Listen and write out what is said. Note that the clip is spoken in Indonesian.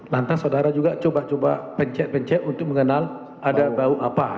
lantas saudara juga coba coba pencet pencet untuk mengenal ada bau apa